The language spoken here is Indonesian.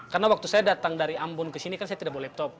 karena waktu saya datang dari ambon ke sini kan saya tidak bawa laptop